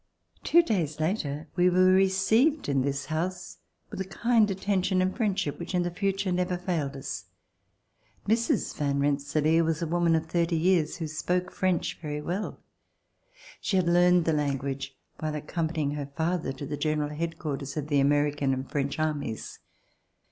Two days later we v/ere received in this house with a kind attention and friendship which in the future never failed us. Mrs. Van Rensselaer was a woman of thirty years who spoke French very well. She had learned the language while accompanying her father to the general headquarters of the American and French armies.